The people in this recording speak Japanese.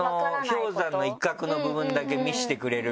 氷山の一角の部分だけ見せてくれるみたいな。